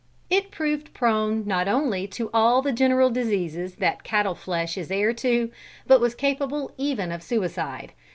It proved prone not only to all the general diseases that cattle flesh is heir to, but was capable even of suicide.